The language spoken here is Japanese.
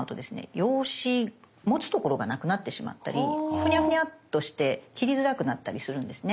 用紙持つところがなくなってしまったりフニャフニャッとして切りづらくなったりするんですね。